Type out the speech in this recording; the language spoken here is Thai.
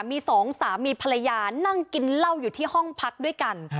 มีสองสามีภรรยานั่งกินเหล้าอยู่ที่ห้องพักด้วยกัน